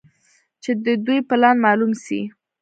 چې د دوى پلان مالوم سي.